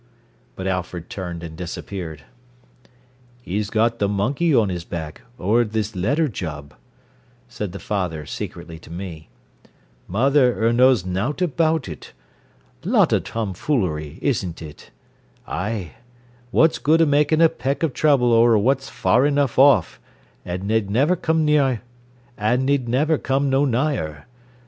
But Alfred turned and disappeared. "'E's got th' monkey on 'is back, ower this letter job," said the father secretly to me. "Mother 'er knows nowt about it. Lot o' tomfoolery, isn't it? Ay! What's good o' makin' a peck o' trouble ower what's far enough off, an' ned niver come no nigher.